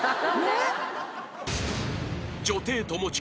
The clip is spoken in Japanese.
［女帝友近。